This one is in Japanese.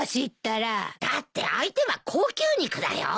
だって相手は高級肉だよ？